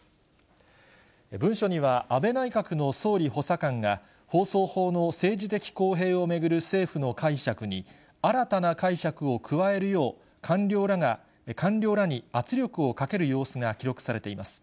文書には安倍内閣の総理補佐官が、放送法の政治的公平を巡る政府の解釈に、新たな解釈を加えるよう、官僚らに圧力をかける様子が記録されています。